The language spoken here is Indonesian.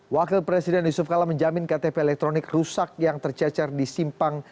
wakil presiden yusuf kala menjamin ktp elektronik rusak yang tercecer di simpang